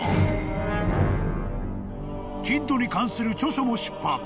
［キッドに関する著書も出版］